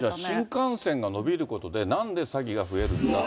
新幹線が延びることでなんで詐欺が増えるのかと。